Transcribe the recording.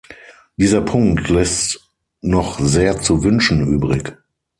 Dieser Punkt lässt noch sehr zu wünschen übrig.